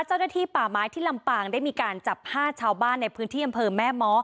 เจ้าหน้าที่ป่าไม้ที่ลำปางได้มีการจับ๕ชาวบ้านในพื้นที่อำเภอแม่เมาะ